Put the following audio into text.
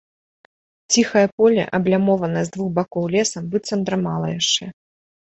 Ціхае поле, аблямованае з двух бакоў лесам, быццам драмала яшчэ.